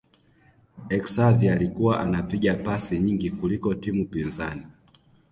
Xavi alikuwa anapiga pasi nyingi kuliko timu pinzani